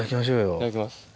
いただきます。